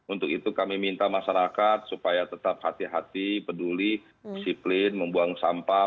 untuk itu kami minta masyarakat supaya tetap hati hati peduli disiplin membuang sampah